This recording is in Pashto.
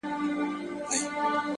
که غنمرنگ ‘ کښته سي پورته سي’